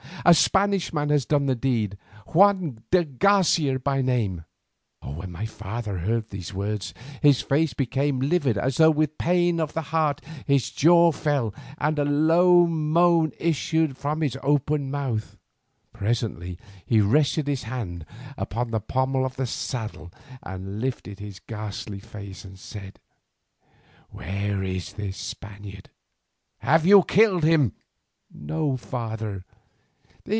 A Spanish man has done the deed, Juan de Garcia by name." When my father heard these words his face became livid as though with pain of the heart, his jaw fell and a low moan issued from his open mouth. Presently he rested his hand upon the pommel of the saddle, and lifting his ghastly face he said: "Where is this Spaniard? Have you killed him?" "No, father.